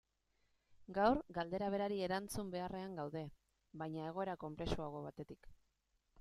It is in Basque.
Gaur, galdera berari erantzun beharrean gaude, baina egoera konplexuago batetik.